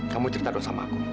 kamu cerita doa sama aku